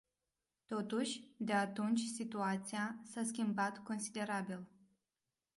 Totuși, de atunci situația s-a schimbat considerabil.